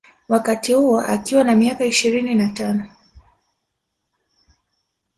Wakati huo akiwa na miaka ishirini na tano